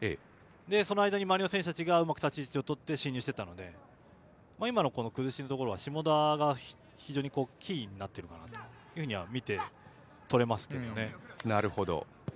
その間に周りの選手たちがうまく立ち位置をとって進入していったので、今の崩しは下田が非常にキーになっているかなというふうに見て取れますけどね。